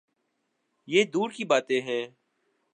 یہ دور کی باتیں ہیں۔